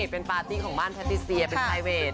เป็นปาร์ตี้ของบ้านแพทติเซียเป็นไทเวท